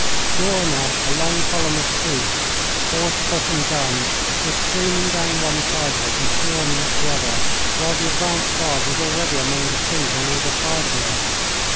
Sure enough, a long column of troops horse, foot, and guns was streaming down one side of it and swarming up the other, while the advance guard was already among the trees on either side of me.